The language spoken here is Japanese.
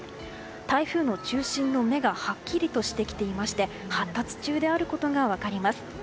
台風の中心の目がはっきりとしてきていまして発達中であることが分かります。